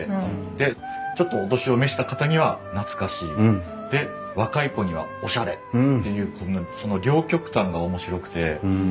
でちょっとお年を召した方には懐かしいで若い子にはおしゃれっていうその両極端が面白くて。